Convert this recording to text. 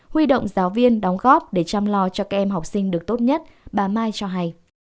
huy động giáo viên đóng góp để chăm lo cho các em học sinh được tốt nhất bà mai cho hay